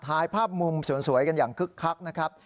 ถ่ายภาพมุมสวยกันอย่างคึกคักนะครับ